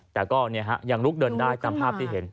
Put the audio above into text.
แต่ก็ยังลุกเดินได้ตามภาพที่เห็น